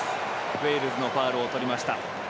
ウェールズのファウルをとりました。